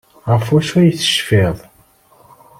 Ɣef wacu ay tecfiḍ?